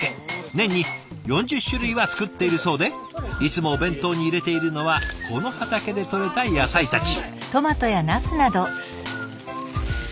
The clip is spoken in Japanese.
年に４０種類は作っているそうでいつもお弁当に入れているのはこの畑でとれた野菜たち。